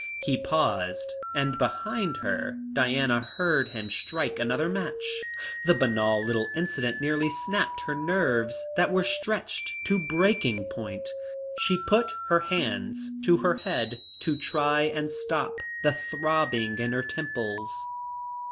He paused, and behind her, Diana heard him strike another match. The banal little incident nearly snapped her nerves that were stretched to breaking point. She put her hands to her head to try and stop the throbbing in her temples.